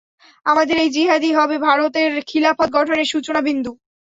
আমাদের এই জিহাদই হবে ভারতে খিলাফত গঠনের সূচনাবিন্দু।